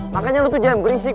makanya lu tuh jangan berisik